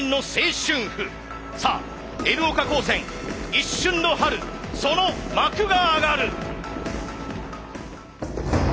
さあＮ岡高専一瞬の春その幕が上がる。